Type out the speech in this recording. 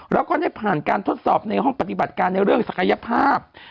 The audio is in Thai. แล้วก็ได้ผ่านการทดสอบในห้องปฏิบัติการในเรื่องศักยภาพ